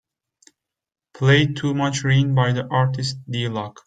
Play Too Much Rain by the artist D-loc.